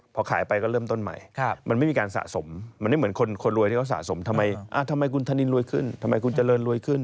พอขายไปก็เริ่มต้นใหม่มันไม่มีการสะสมมันไม่เหมือนคนรวยที่เขาสะสมทำไมคุณธนินรวยขึ้นทำไมคุณเจริญรวยขึ้น